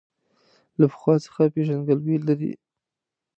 له پخوا څخه پېژندګلوي لري.